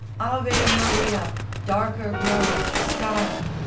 AVE MARIA, darker grows the sky!